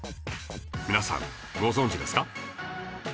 皆さんご存じですか？